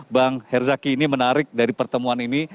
bang herzaki ini menarik dari pertemuan ini